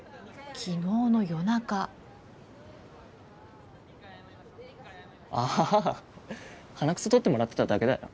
昨日の夜中ああ鼻くそ取ってもらってただけだよ